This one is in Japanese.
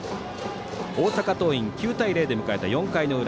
大阪桐蔭、９対０で迎えた４回の裏。